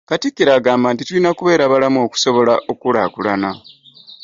Katikkiro agamba tulina kubeera balamu okusobola okukulaakulana